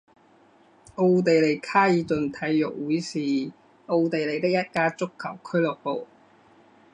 奥地利卡尔顿体育会是奥地利的一家足球俱乐部。